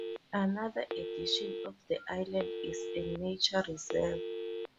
Another addition of the island is a nature reserve.